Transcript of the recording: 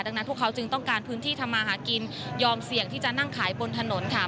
ดังนั้นพวกเขาจึงต้องการพื้นที่ทำมาหากินยอมเสี่ยงที่จะนั่งขายบนถนนค่ะ